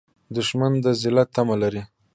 دښمن د ذلت تمه لري